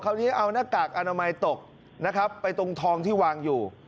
คราวนี้เอาหน้ากากอนามัยตกนะครับไปตรงทองที่วางอยู่